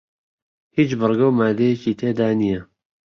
هیچ بڕگە و ماددەیەکی تێدا نییە